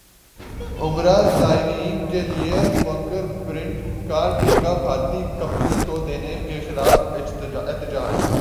عمرہ زائرین کیلئے فنگر پرنٹ کا ٹھیکہ بھارتی کمپنی کو دینے کیخلاف احتجاج